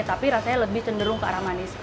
tapi rasanya lebih cenderung ke arah manis